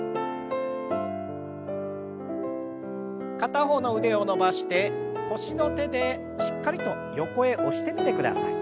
片方の腕を伸ばして腰の手でしっかりと横へ押してみてください。